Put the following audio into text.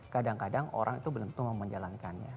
kadang kadang orang itu benar benar mau menjalankannya